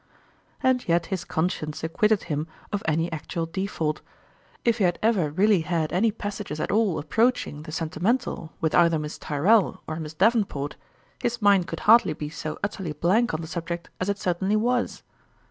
And yet his conscience acquitted him of any actual default ; if he had ever really had any passages at all approaching the sentimental with either Miss Tyrrell or Miss Davenport, his mind could hardly be so utterly blank on the subject as it certainly was.